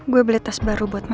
gue beli tas baru buat mama